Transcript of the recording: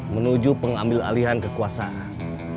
menuju pengambil alihan kekuasaan